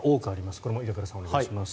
これも板倉さん、お願いします。